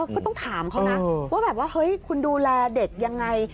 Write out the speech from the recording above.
ก็ต้องถามเขานะว่าแบบว่าเฮ้ยคุณดูแลเด็กยังไง